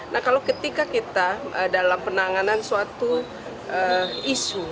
nah kalau ketika kita dalam penanganan suatu isu